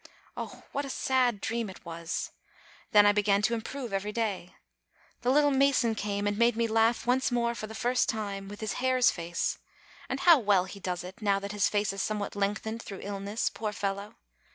Oh, what a sad dream it was! Then I began to im prove every day. The "little mason" came and made 232 APRIL me laugh once more for the first time, with his hare's face; and how well he does it, now that his face is somewhat lengthened through illness, poor fellow!